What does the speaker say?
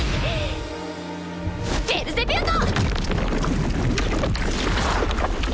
ベルゼビュート！